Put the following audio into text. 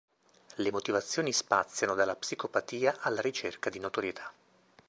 Le motivazioni spaziano dalla psicopatia alla ricerca di notorietà.